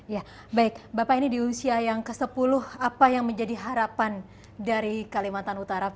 ya baik bapak ini di usia yang ke sepuluh apa yang menjadi harapan dari kalimantan utara